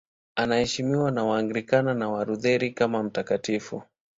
Anaheshimiwa na Waanglikana na Walutheri kama mtakatifu.